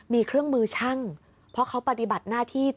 มีเครื่องมือช่างเพราะเขาปฏิบัติหน้าที่